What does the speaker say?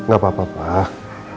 gak apa apa pak